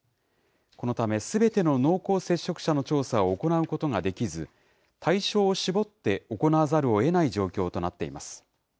このため、すべての濃厚接触者の調査を行うことができず、対象を絞って行わざるをえない状況となっています。